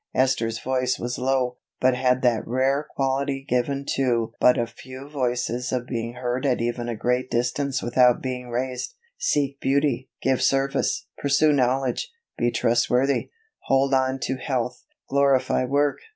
Esther's voice was low, but had that rare quality given to but a few voices of being heard at even a great distance without being raised. "Seek beauty. Give service. Pursue knowledge. Be trustworthy. Hold on to health. Glorify work.